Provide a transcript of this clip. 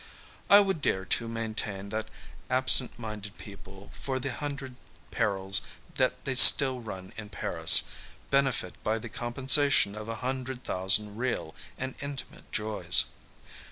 I would dare to maintain that absent minded people, for the hundred perils that they still run in Paris, benefit by the compensation of a hundred thousand real and intimate joys.